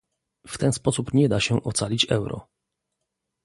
W ten sposób nie da się ocalić euro